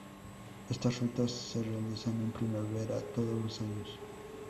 Estas rutas se realizan en primavera todos los años.